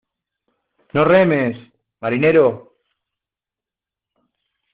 No remes, marinero.